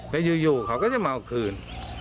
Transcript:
แล้วอยู่เขาก็จะมาเอาคืน